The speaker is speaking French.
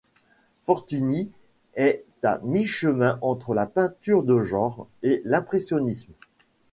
Fortuny est à mi chemin entre la peinture de genre et limpressionnisme.